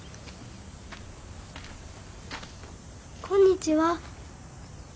こんにちは。